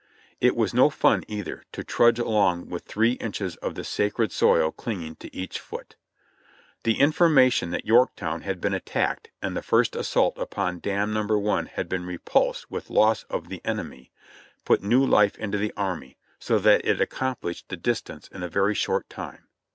It was no fun, either, to trudge along with three inches of the sacred soil clinging to each foot. The information that Yorktown had been attacked and the first assault upon Dam No. i had been repulsed with loss of the enemy, put new life into the army, so that it accomplished the distance in a very short time.